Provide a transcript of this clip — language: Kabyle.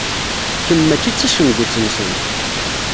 Kemm mačči d tacengut-nsen.